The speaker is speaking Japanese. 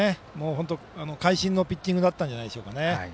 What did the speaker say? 本当に会心のピッチングだったんじゃないですかね。